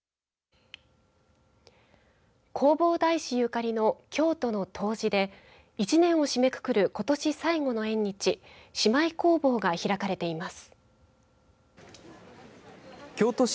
弘法大師ゆかりの京都の東寺で１年を締めくくることし最後の縁日終い弘法が開かれています。